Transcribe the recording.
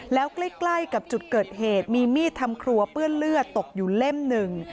แล้วใกล้กับจุดเกิดเหตุมีมีดทำครัวเปื้อนเลือดตกอยู่เล่มหนึ่ง